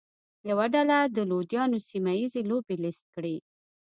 یوه ډله د لویانو سیمه ییزې لوبې لیست کړي.